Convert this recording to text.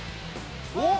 おっ！